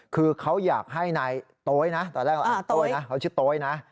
คือเขาอยากให้นายโต๊ยนะตอนแรกโต้ยนะเขาชื่อโต๊ยนะ